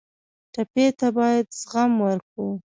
ټپي ته باید زغم ورکړو.